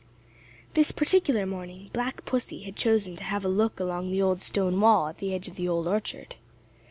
This particular morning Black Pussy had chosen to have a look along the old stone wall at the edge of the Old Orchard.